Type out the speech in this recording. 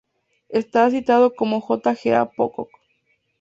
Es citado como J. G. A. Pocock.